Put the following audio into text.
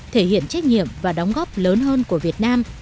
thể hiện trách nhiệm và đóng góp lớn hơn của việt nam